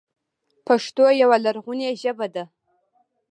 پښتو یوه لرغونې ژبه ده.